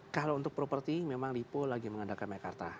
kalau untuk properti memang lipo lagi mengandalkan mekarta